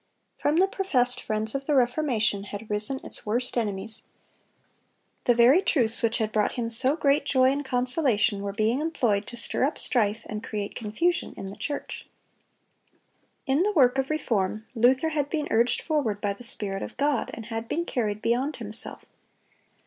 From the professed friends of the Reformation had risen its worst enemies. The very truths which had brought him so great joy and consolation were being employed to stir up strife and create confusion in the church. In the work of reform, Luther had been urged forward by the Spirit of God, and had been carried beyond himself.